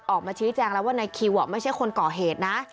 ออกมาชี้แจงแล้วว่านายคิวไม่ใช่คนก่อเหตุนะ